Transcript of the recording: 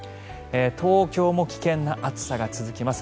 東京も危険な暑さが続きます。